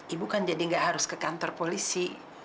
ibu kan jadi nggak harus ke kantor polisi